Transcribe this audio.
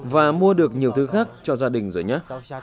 và mua được nhiều thứ khác cho gia đình rồi nhé